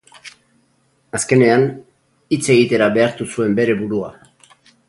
Azkenean, hitz egitera behartu zuen bere burua.